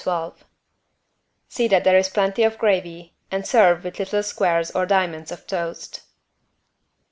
12). See that there is plenty of gravy and serve with little squares or diamonds of toast.